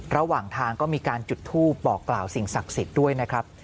ระหว่างทางก็มีการจุดทูปบอกกล่าวสิ่งศักดิ์สิทธิ์ด้วยนะครับ